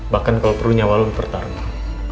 bahkan kalau perunya lo dipertarung